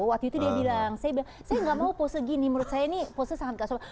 waktu itu dia bilang saya bilang saya nggak mau pose gini menurut saya ini pose sangat gak soal